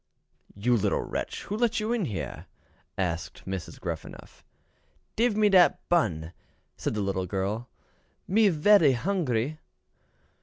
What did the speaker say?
"You little wretch, who let you in here?" asked Gruffanuff. "Dive me dat bun," said the little girl, "me vely hungry."